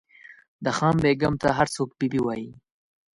د خان بېګم ته هر څوک بي بي وایي.